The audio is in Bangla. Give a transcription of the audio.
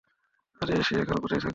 আরে, সে এখন কোথায় থাকবে?